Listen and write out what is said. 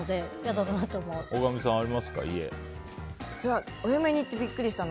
大神さんはありますか？